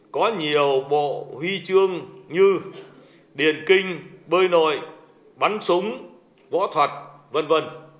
có nhiều bộ huy chương như điền kinh bơi nội bắn súng võ thuật v v